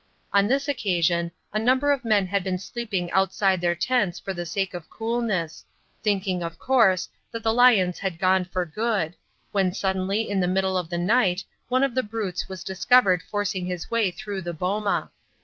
On this occasion a number of men had been sleeping outside their tents for the sake of coolness, thinking, of course, that the lions had gone for good, when suddenly in the middle of the night one of the brutes was discovered forcing its way through the boma.